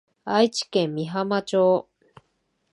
愛知県美浜町